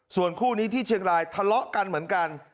ส่วนคู่นี้ที่เชียงรายทะเลาะกันเหมือนกัน